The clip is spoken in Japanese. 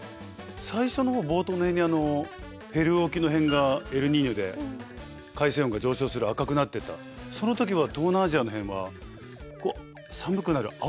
最初のほう冒頭の辺にペルー沖の辺がエルニーニョで海水温が上昇する赤くなってたその時は東南アジアの辺は寒くなる青くなってましたよね。